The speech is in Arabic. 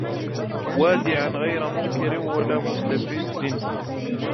وَادِعًا غَيْرَ مُنْكِرٍ وَلَا مُسْتَفَزٍّ